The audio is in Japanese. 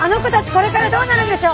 これからどうなるんでしょう？